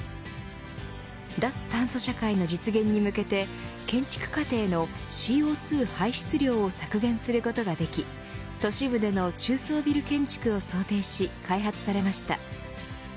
脱炭素社会の実現に向けて建築過程のＣＯ２排出量を削減することができ都市部での中層ビル建築を想定し開発されました。